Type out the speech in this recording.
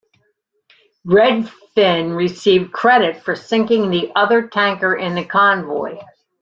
"Redfin" received credit for sinking the other tanker in the convoy.